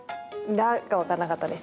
「ら」がわからなかったです。